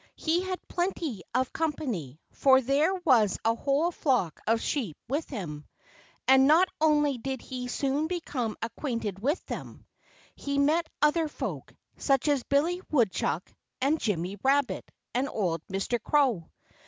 He had plenty of company, for there was a whole flock of sheep with him. And not only did he soon become acquainted with them. He met other folk, such as Billy Woodchuck and Jimmy Rabbit and old Mr. Crow.